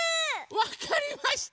わかりました。